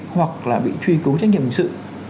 hoặc là bị truy cứu trách nhiệm hình sự